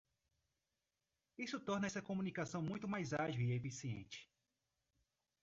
Isso torna essa comunicação muito mais ágil e eficiente.